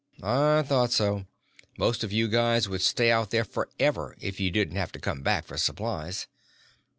"I thought so. Most of you guys would stay out there forever if you didn't have to come back for supplies."